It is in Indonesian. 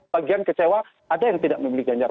bagian kecewa ada yang tidak memilih ganjar